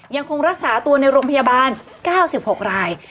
ยังคงรักษาตัวในโรงพยาบาล๙๖ราย